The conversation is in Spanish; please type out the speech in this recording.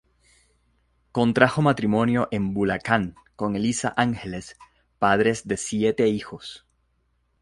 Contrajo matrimonio en Bulacán con Elisa Ángeles, padres de siete hijos.